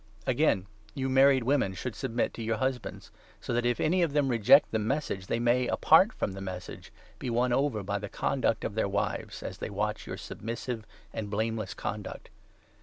Again, you married women should submit to i Thebett!reenn* vour husbands, so that if any of them reject the Husbands and Message, they may, apart from the Message, be wives. won over, by the conduct of their wives, as 2 they watch your submissive and blameless conduct.